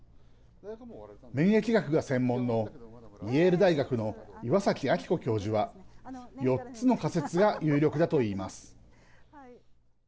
免疫学が専門のイエール大学の岩崎明子教授は４つの仮説が有力だといいます。